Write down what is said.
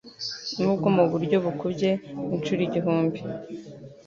nubwo muburyo bukubye inshuro igihumbi